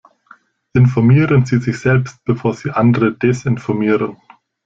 Informieren Sie sich selbst, bevor Sie andere desinformieren.